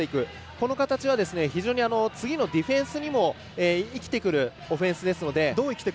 この形は非常に次のディフェンスにも生きてくるオフェンスです。